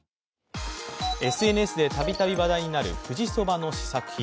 ＳＮＳでたびたび話題になる富士そばの試作品。